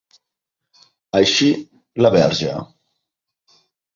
Així la Verge.